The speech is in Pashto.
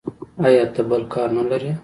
ایا ته بل کار نه لرې.